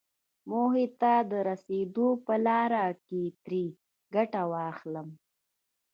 موخې ته د رسېدو په لاره کې ترې ګټه واخلم.